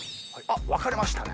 分かれましたね。